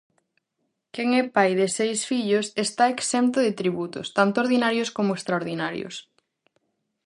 Quen é pai de seis fillos está exento de tributos, tanto ordinarios coma extraordinarios.